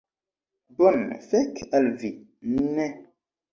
Bone, fek al vi. Ne.